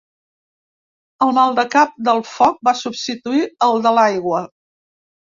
El maldecap del foc va substituir el de l’aigua.